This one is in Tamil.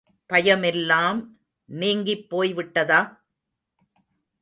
பயமெல்லாம் நீங்கிப் போய்விட்டதா?